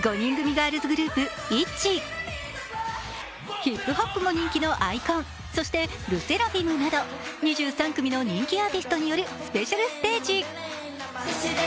ガールズグループ・ＩＴＺＹ、ヒップポップも人気のｉＫＯＮ、そしてＬＥＳＳＥＲＡＦＩＭなど、２３組の人気アーティストによるスペシャルステージ。